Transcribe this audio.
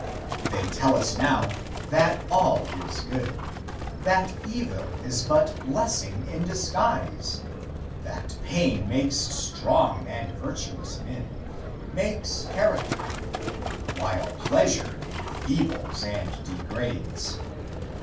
They tell us now that all is good; that evil is but blessing in disguise, that pain makes strong and virtuous men makes character while pleasure enfeebles and degrades.